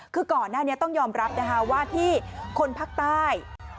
คือก่อนหน้านี้ต้องยอมรับนะคะว่าที่คนภาคใต้